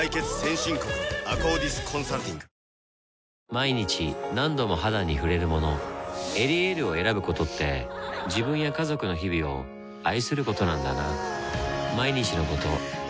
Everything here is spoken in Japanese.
毎日何度も肌に触れるもの「エリエール」を選ぶことって自分や家族の日々を愛することなんだなぁ